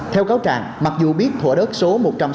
theo cáo trạng mặc dù biết thủa đất số một trăm sáu mươi